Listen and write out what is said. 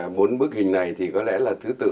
bốn bức hình này thì có lẽ là thứ tự